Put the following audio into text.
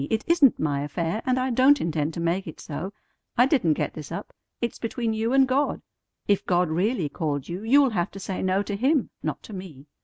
It isn't my affair, and I don't intend to make it so. I didn't get this up. It's between you and God. If God really called you, you'll have to say no to Him, not to me.